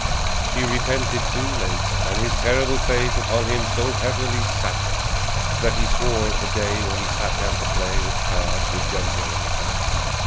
He repented too late, And his terrible fate Upon him so heavily sat, That he swore at the day When he sat down to play At cards with John Jeremy Platt.